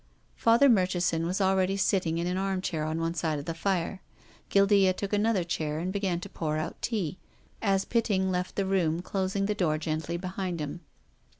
Father Murchison was already sitting in an arm chair on one side of the fire. Guildea took another chair and began to pour out tea, as Pit ting left the room closing the door gently behind him.